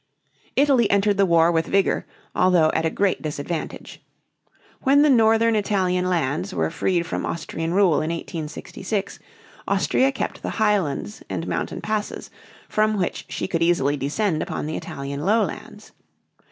Italy entered the war with vigor although at a great disadvantage. When the northern Italian lands were freed from Austrian rule in 1866, Austria kept the highlands and mountain passes, from which she could easily descend upon the Italian lowlands.